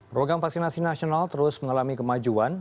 program vaksinasi nasional terus mengalami kemajuan